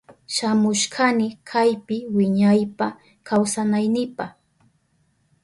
Shamushkani kaypi wiñaypa kawsanaynipa.